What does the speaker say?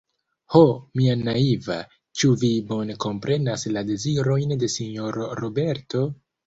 Ho, mia naiva, ĉu vi bone komprenas la dezirojn de sinjoro Roberto?